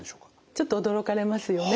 ちょっと驚かれますよね。